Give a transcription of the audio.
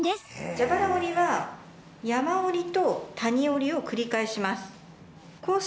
蛇腹折りは山折りと谷折りを繰り返します。